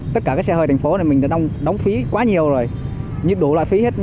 tất cả các xe hơi thành phố này mình đã đóng phí quá nhiều rồi như đủ loại phí hết